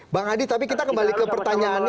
bang adi tapi kita kembali ke pertanyaannya